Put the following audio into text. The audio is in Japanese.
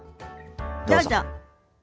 どうぞ。